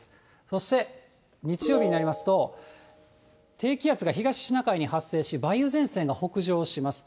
そして、日曜日になりますと、低気圧が東シナ海に発生し、梅雨前線が北上します。